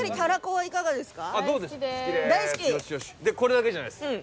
でこれだけじゃないです。